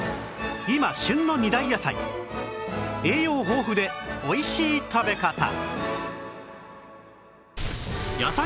今旬の２大野菜栄養豊富でおいしい食べ方